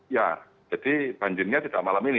ya jadi banjirnya tidak malam ini